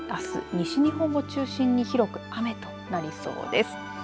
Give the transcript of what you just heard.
西日本を中心に広く雨となりそうです。